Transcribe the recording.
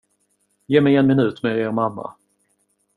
Ge mig en minut med er mamma.